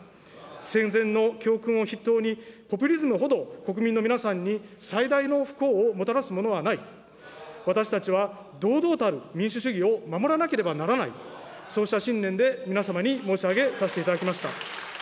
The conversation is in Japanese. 戦前の教訓を筆頭に、ポピュリズムほど国民の皆さんに最大の不幸をもたらすものはない、私たちは、堂々たる民主主義を守らなければならない、そうした信念で皆様に申し上げさせていただきました。